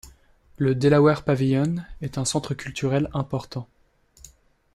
Le De La Warr Pavilion est un centre culturel important.